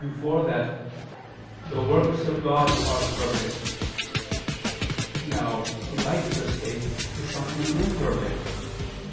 32:4) that "the works of God are perfect." Now lifeless faith is something imperfect.